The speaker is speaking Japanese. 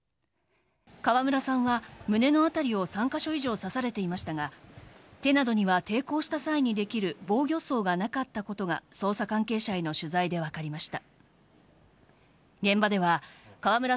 川村さんは胸の辺りを３か所以上刺されていましたが、手などには抵抗した際に出来る防御創がなかったことが捜査関係者への取材で分かりました。